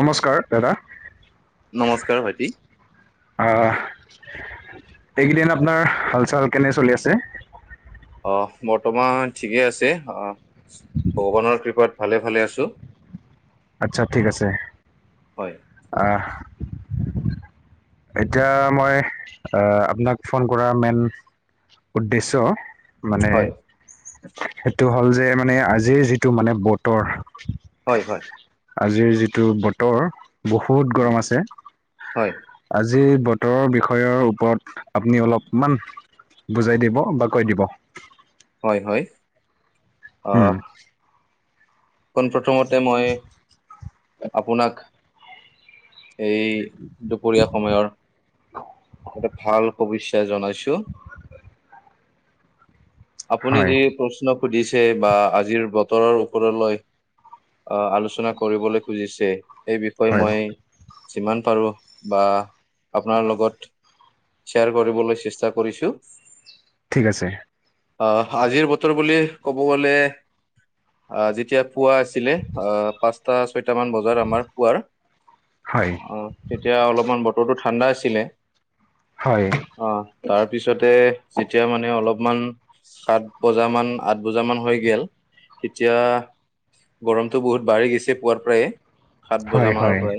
নমস্কাৰ দাদা। নমস্কাৰ ভাইটি। আহ, এইকেইদিন আপোনাৰ হাল চাল কেনে চলি আছে? অ বৰ্তমান ঠিকেই আছে। অ ভগৱানৰ কৃপাত ভালে ভালে আছো। আচ্ছা ঠিক আছে। হয় আহ [inaudible] এতিয়া মই আপোনাক ফোন কৰাৰ মেইন উদ্দেশ্য মানে হয় সেইটো হ'ল যে মানে আজিৰ যিটো মানে বতৰ হয় হয়। আজিৰ যিটো বতৰ বহুত গৰম আছে। হয় যি বতৰৰ বিষয়ৰ ওপৰত আপুনি অলপমান বুজাই দিব বা কৈ দিব। হয় হয়। উম। পুন প্ৰথমতে মই আপোনাক এই দুপৰীয়া সময়ৰ এটা ভাল শুভেচ্ছা জনাইছোঁ। আপুনি হয় যি প্ৰশ্ন সুধিছে বা আজিৰ বতৰৰ ওপৰলৈ আহ আলোচনা কৰিবলৈ খুজিছে এই বিষয়ে হয় মই। যিমান পাৰো বা আপোনাৰ লগত শ্বেয়াৰ কৰিবলৈ চেষ্টা কৰিছোঁ। ঠিক আছে। অ আজিৰ বতৰ বুলি ক'ব গ'লে আহ যেতিয়া পোৱা আছিলে অ পাঁচটা। ছয়টামান বজাৰ আমাৰ পুৱাৰ হয় তেতিয়া অলপমান বতৰ টো। ঠান্ডা আছিলে হয় অ তাৰ পিছতে যেতিয়া মানে অলপ সমান সাত বজা মান আঠ বজা মান হৈ গেল তেতিয়া গৰমটো বহুত বাঢ়ি গৈছে পুৱাৰ পৰাই। সাত হয় বজামানৰ হয় পৰাই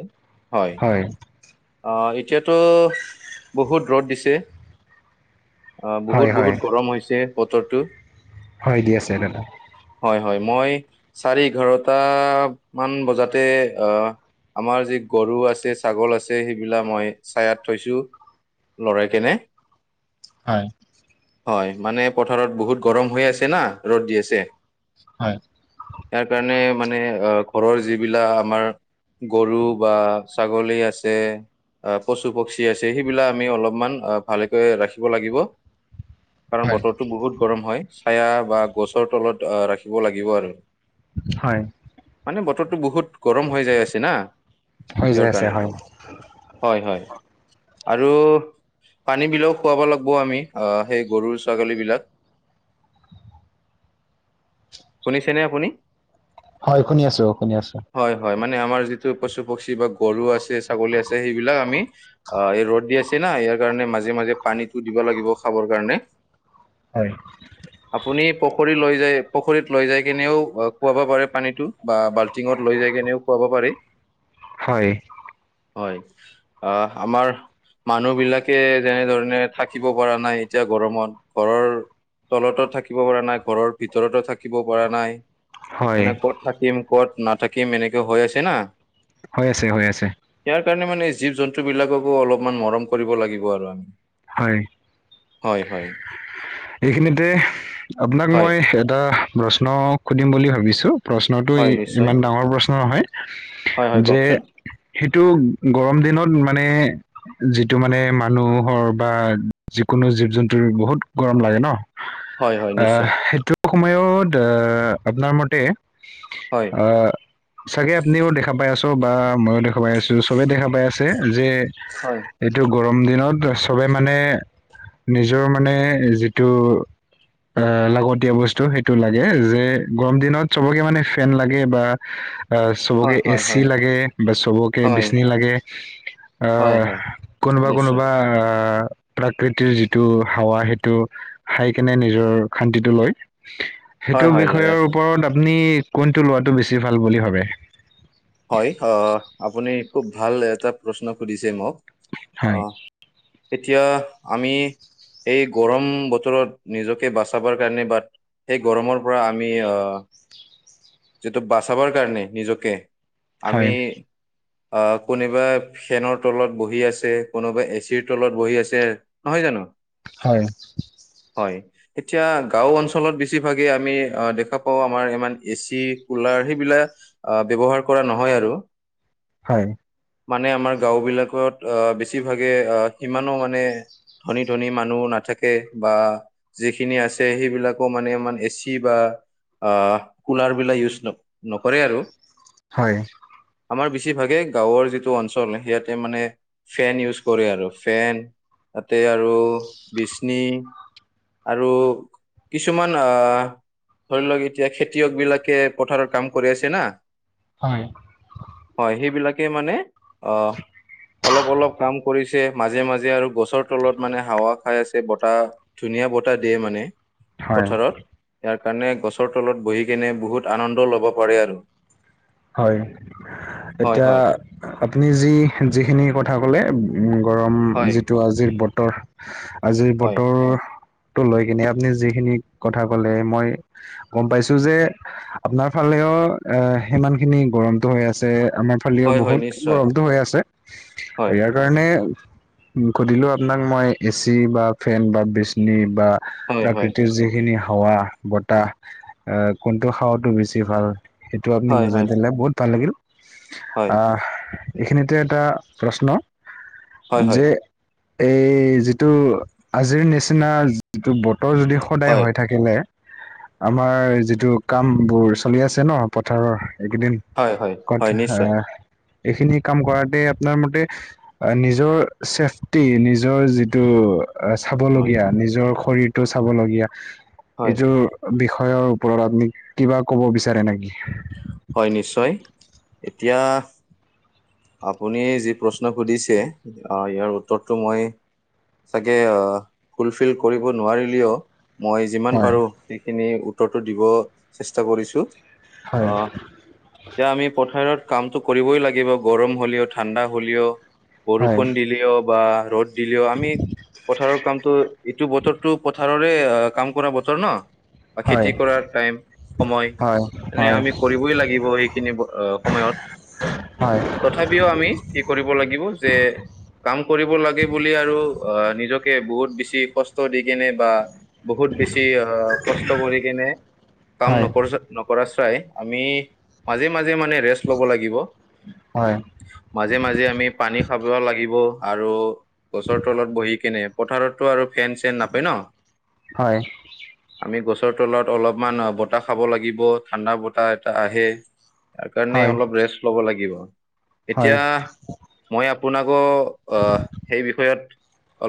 হয়। আহ এতিয়াতো বহুত ৰ'দ দিছে। আহ হয় বহুত হয় বহুত গৰম হৈছে বতৰটো। হয় দি আছে দাদা। হয় হয় মই চাৰে এঘাৰটা মান বজাতে অ আমাৰ যি গৰু আছে ছাগল আছে সেইবিলাক মই ছায়াত থৈছোঁ। লৰাই কেনে হয়। হয় মানে পথাৰত বহুত গৰম হৈ আছে না ৰ'দ দি আছে। হয়। তাৰ কাৰণে মানে আহ ঘৰৰ যিবিলাক আমাৰ। গৰু বা ছাগলী আছে। আহ পশু পক্ষী আছে সেইবিলাক আমি অলপমান ভালেকৈ ৰাখিব লাগিব। কাৰণ হয়। বতৰটো বহুত গৰম হয় ছায়া, বা গছৰ তলত আহ ৰাখিব লাগিব আৰু। হয়, মানে বতৰটো বহুত গৰম হৈ যাই আছে না। হৈ ৰ'দ যাই ৰ'দ আছে কাৰণে হয়। হয় হয়। আৰু পানী বিলাকও খুৱাব লাগিব আমি আহ সেই গৰু ছাগলী বিলাক শুনিছেনে আপুনি হয় শুনি আছোঁ শুনি আছোঁ হয় হয় মানে আমাৰ যিটো পশু পক্ষী বা গৰু আছে ছাগলী আছে সেইবিলাক আমি অ এই ৰ'দ দি আছে নাম ইয়াৰ কাৰণে মাজে মাজে পানীটো দিব লাগিব খাবৰ কাৰণে হয়। আপুনি পুখুৰী লৈ যায় পুখুৰীত লৈ যাই কেনেওঁ। খুৱাব পাৰে পানীতটো বা বাল্টিঙত লৈ যাই কেনেওঁ খোৱাব পাৰে। হয়। হয় আহ আমাৰ। মানুহ বিলাকে যেনেধৰণে থাকিব পৰা নাই এতিয়া গৰমত ঘৰৰ। তলতো থাকিব পৰা নাই। ঘৰৰ ভিতৰতো থাকিব পৰা নাই। হয়, মানে ক'ত থাকিম ক'ত না থাকিম এনেকে হৈ আছে না। হৈ আছে হৈ আছে। তাৰ কাৰণে মানে এই জীৱ জন্তু বিলাককো অলপমান মৰম কৰিব লাগিব আৰু আমি। হয়। হয় হয় এইখিনিতে আপোনাক হয় মই এটা প্ৰশ্ন। সুধিম বুলি ভাবিছোঁ প্ৰশ্নটো হয় ই নিশ্চয় ইমান ডাঙৰ প্ৰশ্ন হয় হয় নহয় যে। কওকচোন সেইটো গৰম দিনত মানে। যিটো মানে মানুহৰ বা যিকোনো জীৱ জন্তুৰ বহুত গৰম লাগে ন। হয় হয় আহ নিশ্চয়। সেইটো সময়ত আপোনাৰ মতে হয় অ চাগে আপুনিও দেখা পাই আছো বা মই দেখা পাই আছো চবে দেখা পাই আছে যে হয় এইটো গৰম দিনত চবে মানে নিজৰ মানে যিটো অ লাগতিয় বস্তু সেইটো লাগে যে গৰম দিনত চবকে মানে ফেন লাগে বা আহ চবকে হয় এচি হয় লাগে বা চবকে হয় হয় বিচনি লাগে হয় আহ হয় কোনোবা নিশ্চয় কোনোবা প্ৰাকৃতিৰ যিটো হাৱা সেইটো খাই কেনে নিজৰ শান্তিটো লয় হয় সেইটো হয় লৈ বিষয়ৰ আছে ওপৰত আপুনি কোনটো লোৱাটো বেছি ভাল বুলি ভাবে হয় অ আপুনি খুব ভাল এটা প্ৰশ্ন সুধিছে মোক হয় আহ এতিয়া আমি এইেই গৰম বতৰত নিজকে বাচাবৰ কাৰণে বা সেই গৰমৰ পৰা আমি আহ যিটো বাচাবৰ কাৰণে নিজকে আমি হয় আহ কোনোবা ফেনৰ তলত বহি আছে কোনোবা এচিৰ তলত বহি আছে নহয় জানো হয় হয় এতিয়া গাও অলত বেছিভাগ আমি দেখা পা আমাৰ ই এি ক ব হয় মানে আমাৰ গাও বিলাকত আহ বেছিভাগে আহ সিমানো মানে ধনী ধনী মানুহ নাথাকে বা যিখিনি আছে সেইবিলাকো মানে ইমান এচি বা আহ কুলাৰ বিলাক ইউজ নকৰে আৰু হয় আমাৰ বেছিভাগে গাঁৱৰ যিটো অঞ্চল সেয়াতে মানে ফেন ইউজ কৰে আৰু ফেন তাতে আৰু বিচনি আৰু কিছুমান অহ ধৰি লওক এতিয়া খেতিয়ক বিলাকে পথাৰৰ কাম কৰি আছে না হয় সেইবিলাকে মানে অহ অলপ অলপ কাম কৰিছে মাজে মাজে আৰু গছৰ তলত মানে হাৱা খাই আছে বতাহ ধুনীয়া য়া বতাহ দিয়ে মানে হয় পথাৰত ইয়াৰ কাৰণে গছৰ তলত বহি কেনে বহুত আনন্দ ল'ব পাৰে আৰু হয় হয় এতিয়া হয় আপুনি যি যিখিনি কথা কলে উ গৰম হয় যিটো আজিৰ বতৰ আজিৰ হয় বতৰ টো লৈ কিনে আপুনি যিখিনি কথা কলে মই গম পাইছো যে আপোনাৰ ফালে অ সিমান খিনি গৰমতো হৈ আছে আমাৰ ফালেও হয় হয় বহুত নিশ্চয় গৰমটো হৈ আছে আৰু হয় ইয়াৰ কাৰণে উ সুধিলো আপোনাক মই এচি বা ফেন বা বিচনি বা হয় হয় প্ৰাকৃতিৰ যিখিনি হাৱা বতাহ অহ কোনটো হাৱাতো বেছি ভাল এইটো আপুনি হয় বুজাই হয় দিলে বহুত ভাল লাগিল হয় অহ এইখিনিতে এটা প্ৰশ্ন হয় হয় যে এই যিটো আজিৰ নিচিনা যিটো বতৰ যদি সদায় হয় হৈ থাকিলে আমাৰ যিটো কাম বোৰ চলি আছে ন পথাৰৰ এইকেইদিন হয় হয় হয় কথা নিশ্চয় অহ এইখিনি কাম কৰাতে আপোনাৰ মতে নিজৰ ছেফটি নিজৰ যিটো হয় চাবলগীয়া নিজৰ শৰীৰটো চাবলগীয়া হয় এইটোৰ বিষয় বিষয়ৰ ওপৰত আপুনি কিবা ক'ব বিচাৰে নেকি হয় নিশ্চয় এতিয়া আপুনি যি প্ৰশ্ন সুধিছে ইয়াৰ উত্তৰটো মই চাগে ফুলফিল কৰিব নোৱাৰিলেও মই যিমান হয় পাৰো সেইখিনি উত্তৰটো দিব চেষ্টা কৰিছো হয় অ এতিয়া আমি পথাৰত কামটো কৰিবই লাগিব গৰম হ'লেও ঠাণ্ডা হ'লেও হয় বৰষুণ দিলেও বা ৰ'দ দিলেও আমি পথাৰৰ কামটো এইটো বতৰটো পথাৰৰে কাম কৰা বতৰ ন বা হয় খেতি কৰাৰ টাইম সময় হয় মানে হয় হয় আমি কৰিবই লাগিব এইখিনি সময়ত হয় তথাপিও আমি কি কৰিব লাগিব যে কাম কৰিব লাগে বুলি আৰু অ নিজকে বহুত বেছি কষ্ট দি কেনে বা বহুত বেছি অ কষ্ট কৰি কেনে কাম হয় নকৰ নকৰা আমি মাজে মাজে মানে ৰেষ্ট ল'ব লাগিব হয় মাজে মাজে আমি পানী খাব লাগিব আৰু গছৰ তলত বহি কেনে পথাৰতো আৰু ফেন চেন নাপায় ন আমি গছৰ তলত অলপমান বতাহ খাব লাগিব ঠাণ্ডা বতাহ এটা আহে তাৰ কাৰণে হয় অলপ ৰেষ্ট ল'ব লাগিব হয় এতিয়া মই আপোনাকো অ সেই বিষয়ত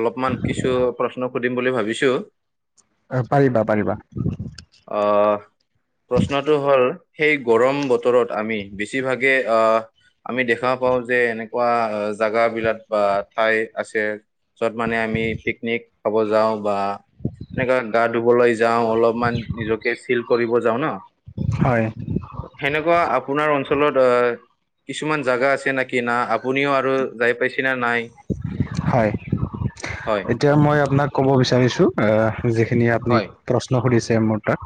অলপমান কিছু প্ৰশ্ন সুধিম বুলি ভাবিছো অহ পাৰিবা পাৰিবা আহ প্ৰশ্নটো হল সেই গৰম বতৰত আমি বেছিভাগে আহ আমি দেখা পাও যে এনেকোৱা জাগা বিলাক বা ঠাই আছে যত মানে আমি পিকনিক খাব যাওঁ বা এনেকোৱা গা ধুবলৈ যাওঁ অলপমান নিজকে চিল কৰিব যাওঁ ন হয় সেনেকোৱা আপোনাৰ অঞ্চলত আহ কিছুমান জাগা আছে নেকি না আপুনিও আৰু যাই পাইছে না নাই হয় হয় এতিয়া মই আপোনাক ক'ব বিচাৰিছো এ যিখিনি আপুনি হয় প্ৰশ্ন সুধিছে মোৰ তাত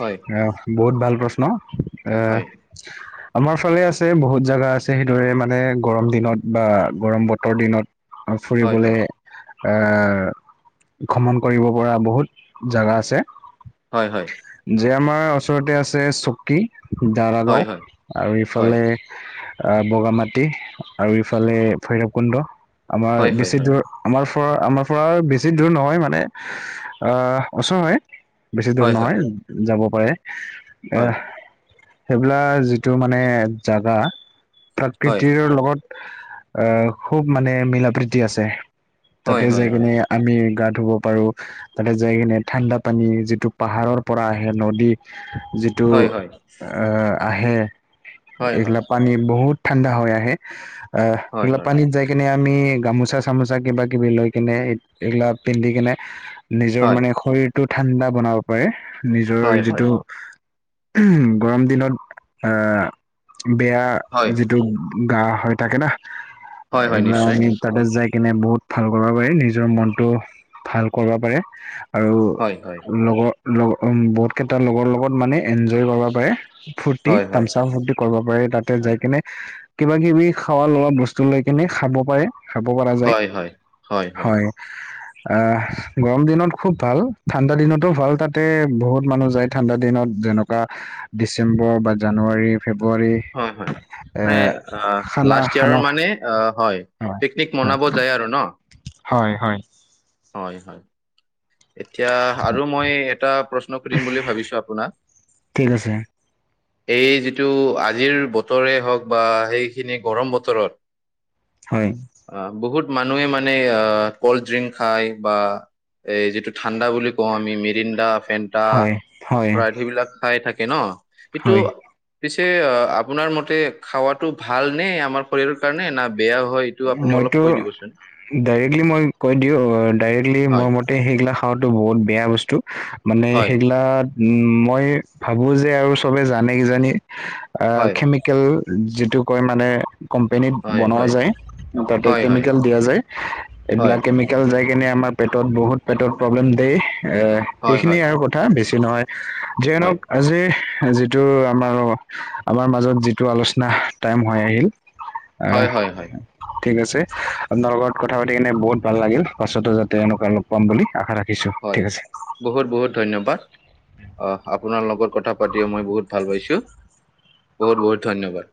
হয় বহুত ভাল প্ৰশ্ন হয় আহ আমাৰ ফালে আছে বহুত জেগা আছে সেইদৰে মানে গৰম দিনত বা গৰম বতৰ দিনত আৰু হয় ফুৰিবলে হয় ভ্ৰমণ কৰিব পৰা বহুত জেগা আছে হয় হয় যে আমাৰ ওচৰতে আছে চকী হয় দাৰাগাঁও হয় আৰু হয় ইফালে আহ বগামাটি আৰু ইফালে ভৈৰৱ কুণ্ড আমাৰ হয় হয় বেছি দূৰ আমাৰ আমাৰ পৰা বেছি দূৰ নহয় মানে ওচৰ হয় বেছি দূৰ হয় হয় হয় হয় নহয় যাব পাৰে এ সেইবিলাক যিটো মানে জাগা প্ৰাকৃতিৰ হয় লগত আহ খুব মানে মিলা প্ৰীতি আছে হয় হয় তাতে যাই হয় হয় কিনে আমি গাত ধুব পাৰো তাতে যাই কিনে ঠাণ্ডা পানী যিটো পাহাৰৰ পৰা আহে নদী যিটো হয় হয় আহে হয় হয় এইগিলাক পানী বহুত ঠাণ্ডা হৈ আহে আহ হয় এইগিলাক হয় পানীত যাই কিনে আমি গামোচা চামোচা কিবা কিবি লৈ কেনে এইগিলা পিন্ধি কেনে নিজৰ হয় মানে শৰীৰটো ঠাণ্ডা বনাব পাৰে নিজৰ হয় হয় যিটো গৰম দিনত আহ বেয়া হয় যিটো গা হয় তাকে না হয় হয় এইবিলাক নিশ্চয় আমি তাতে যাই কিনে বহুত ভাল কৰিব পাৰি নিজৰ মনতটো ভাল কৰিব পাৰে আৰু হয় হয় লগৰ লগ বহুত কেইটা লগৰ লগত মানে এনজয় কৰিব পাৰে ফূৰ্তি হয় হয় তামচা ফূৰ্তি কৰিব পাৰে তাতে হয় যাই কিনে কিবা কিবি খাৱা লোৱা বস্তু লৈ কেনে খাব পাৰে খাব পৰা যায় হয় অ গৰম দিনত খুব ভাল, ঠাণ্ডা দিনতো ভাল, তাতে বহুত মানুহ যায় ঠাণ্ডা দিনত। যেনেকুৱা ডিচেম্বৰ বা জানুৱাৰী। ফেব্ৰুৱাৰী হয় হয় অ এ খানা লাষ্ট খানা ইয়াৰৰ মানে আ হয় পিকনিক মনাব যায় আৰু ন? হয় হয়। হয় হয়। এতিয়া আৰু মই এটা প্ৰশ্ন সুধিম বুলি ভাবিছো আপোনাক? [unintelligible] এই যিটো আজিৰ বতৰে হওঁক বা সেইখিনি গৰম বতৰত হয় অ বহুত মানুহে মানে কল্ড ড্ৰিংক খাই বা এই যিটো ঠাণ্ডা বুলি কওঁ আমি মিৰিণ্ডা, ফেণ্টা, হয় হয় ইছপৰাইত সেইবিলাক খাই থাকে ন। এইটো হয় পিছে অ আপোনাৰ মতে খাৱাতো ভাল নে? আমাৰ শৰীৰৰ কাৰণে না বেয়া হয় এইটো আপুনি অলপ মইতো কৈ দিবচোন ডাইৰেক্টলি মই কৈ দিওঁ ডাইৰেক্টলি হয় মই মতে সেইগিলা খাৱাটো বহুত বেয়া বস্তু। মানে হয় সেইগিলাক, উম মই ভাবো যে আৰু চবে জানে কিজানি। আহ হয় কেমিকেল যিটো কয় মানে কোম্পেনীত হয় বনোৱা হয় যায়। তাতে হয় হয় কেমিকেল দিয়া যায় হয় এইবিলাক কেমিকেল যাই কিনে আমাৰ পেটত বহুত পেটত প্ৰব্লেম দিয়ে, হয় এইখিনি হয় আৰু কথা বেছি নহয়। যিয়ে নহওক হয় আজি যিটো আমাৰ আমাৰ মাজত যিটো আলোচনা টাইম হৈ আহিল। আহ হয় হয় হয়। ঠিক আছে আপোনাৰ লগত কথা পাতি কিনে বহুত ভাল লাগিল, পাছতো যাতে এনেকুৱা লগ পাম বুলি আশা ৰাখিলোঁ। হয় বহুত বহুত ধন্যবাদ। অ আপোনাৰ লগত কথা পাতিও মই বহুত ভাল পাইছো। বহুত বহুত ধন্যবাদ।